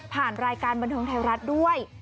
รายการบันเทิงไทยรัฐด้วย